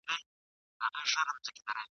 په سينو کې توپانونه ,